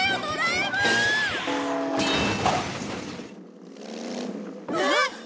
えっ！？